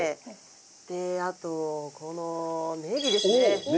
であとこのネギですね。